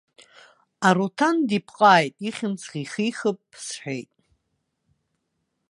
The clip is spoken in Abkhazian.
Аруҭан дипҟааит, ихьымӡӷ ихихып сҳәеит.